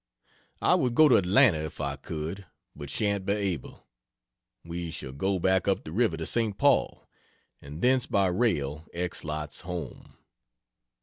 I would go to Atlanta if I could, but shan't be able. We shall go back up the river to St. Paul, and thence by rail X lots home.